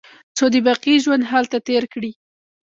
څو د باقي ژوند هلته تېر کړي.